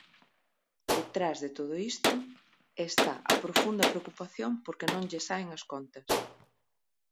Detrás de todo isto está a profunda preocupación porque non lle saen as contas.